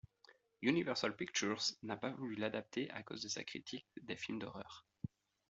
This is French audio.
Universal Pictures n'a pas voulu l'adapter à cause de sa critique des films d'horreur.